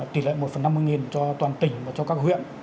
tỷ lệ một năm mươi cho toàn tỉnh và cho các huyện